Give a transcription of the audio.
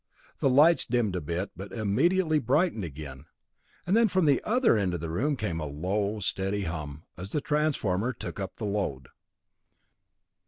The lights dimmed a bit, but immediately brightened again, and from the other end of the room came a low, steady hum as the big transformer took up the load.